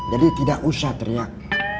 jadi tidak usah teriak